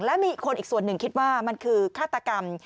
และมีคนอีกส่วนหนึ่งคิดว่ามันคือฆาตกรรม